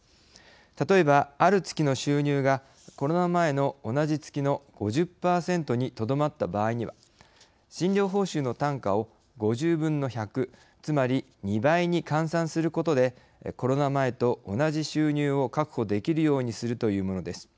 例えば、ある月の収入がコロナ前の同じ月の５０％にとどまった場合には診療報酬の単価を５０分の１００つまり２倍に換算することでコロナ前と同じ収入を確保できるようにするというものです。